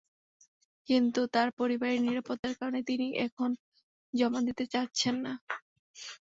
কিন্তু তাঁর পরিবারের নিরাপত্তার কারণে তিনি এখন জমা দিতে চাচ্ছেন না।